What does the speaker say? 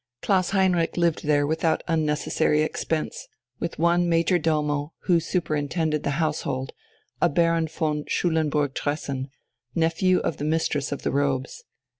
Klaus Heinrich lived there without unnecessary expense, with one major domo, who superintended the household, a Baron von Schulenburg Tressen, nephew of the Mistress of the Robes.